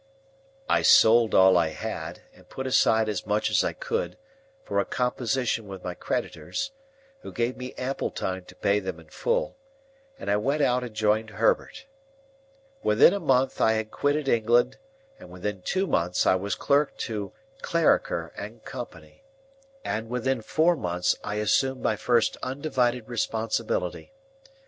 I sold all I had, and put aside as much as I could, for a composition with my creditors,—who gave me ample time to pay them in full,—and I went out and joined Herbert. Within a month, I had quitted England, and within two months I was clerk to Clarriker and Co., and within four months I assumed my first undivided responsibility.